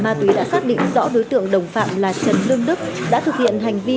ma túy đã xác định rõ đối tượng đồng phạm là trần lương đức đã thực hiện hành vi